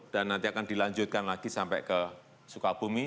dan nanti akan dilanjutkan lagi sampai ke sukabumi